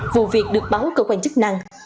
vụ việc được báo cơ quan chức năng